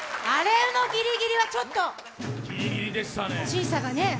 あれのギリギリはちょっと審査がね。